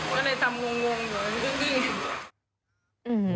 ก็เลยตามงงอยู่อื้ม